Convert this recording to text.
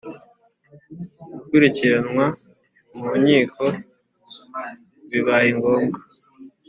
gukurikiranwa mu nkiko bibaye ngombwa